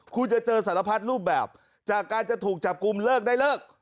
คุณจะเจอสารพัดรูปแบบจากการจะถูกจับกลุ่มเลิกได้เลิก